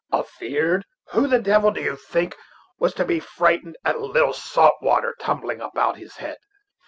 "Afeard! who the devil do you think was to be frightened at a little salt water tumbling about his head?